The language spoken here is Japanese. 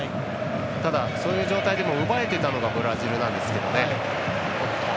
ただ、そういう状態でも奪えてたのがブラジルなんですけどね。